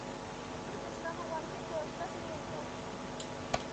The Christmas number one hits are especially important.